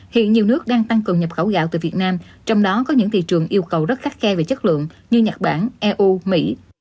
hiện nhiều nước đang tăng cường nhập khẩu gạo từ việt nam trong đó có những thị trường yêu cầu rất khắt khe về chất lượng như nhật bản eu mỹ